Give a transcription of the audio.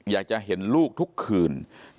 อยากจะเห็นลูกทุกคืน